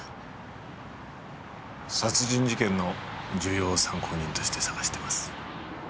殺人事件の重要参考人として捜してます。